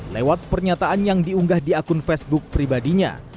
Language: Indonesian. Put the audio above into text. lewat pernyataan yang diunggah di akun facebook pribadinya